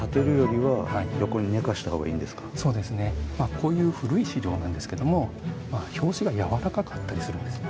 こういう古い資料なんですけども表紙がやわらかかったりするんですね。